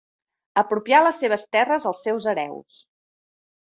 Apropià les seves terres als seus hereus.